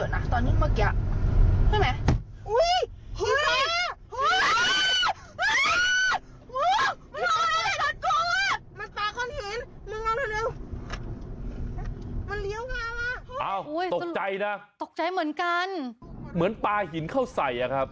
โห้เหมือนปลาหินเข้าใส่ครับ